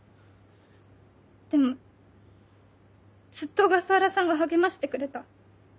でもずっと小笠原さんが励ましてくれた。